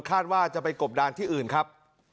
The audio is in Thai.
คาดว่าจะไปกบดานที่อื่นครับ